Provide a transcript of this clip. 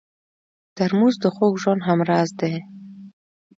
ترموز د خوږ ژوند همراز دی.